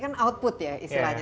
kan output ya istilahnya